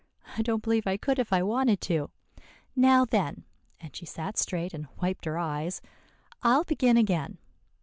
I don't believe I could if I wanted to. Now, then," and she sat straight, and wiped her eyes, "I'll begin again."